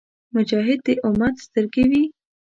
مجاهد د امت سترګې وي.